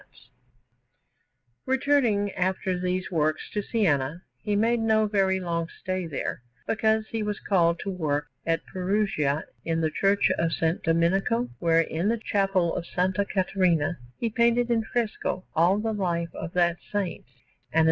Perugia: Gallery 9) Anderson] Returning after these works to Siena, he made no very long stay there, because he was called to work at Perugia in the Church of S. Domenico, where, in the Chapel of S. Caterina, he painted in fresco all the life of that Saint; and in S.